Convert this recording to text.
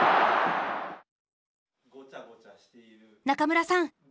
中村さん